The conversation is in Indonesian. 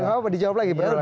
gak apa apa dijawab lagi